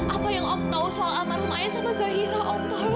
apa yang om tahu soal amat rumah ayah sama cahira om tolong